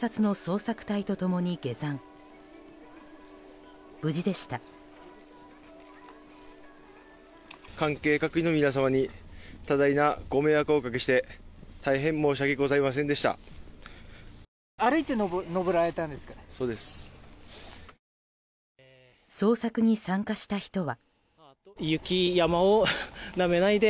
捜索に参加した人は。